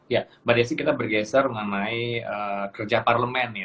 ya mbak desy kita bergeser mengenai kerja parlemen nih